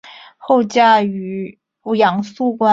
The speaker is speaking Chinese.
后嫁于杨肃观。